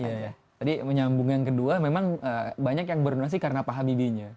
iya tadi menyambung yang kedua memang banyak yang berdonasi karena pak habibie nya